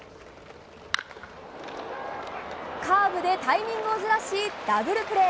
カーブでタイミングをずらしダブルプレー。